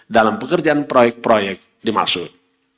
dalam pekerjaan proyek proyek dimaksud